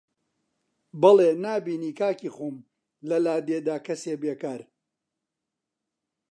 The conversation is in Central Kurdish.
بەڵێ نابینی کاکی خۆم لە لادێدا کەسێ بێکار